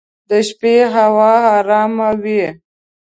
د شپې هوا ارامه وي.